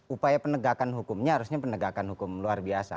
upaya penegakan hukumnya harusnya penegakan hukum luar biasa